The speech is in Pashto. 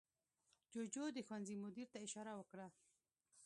جوجو د ښوونځي مدیر ته اشاره وکړه.